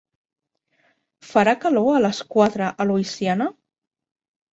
Farà calor a les quatre a Louisiana?